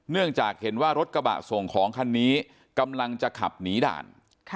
เนื่องจากเห็นว่ารถกระบะส่งของคันนี้กำลังจะขับหนีด่าน